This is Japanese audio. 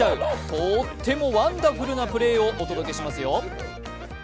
とーってもワンダフルなプレーをお届けしますよ。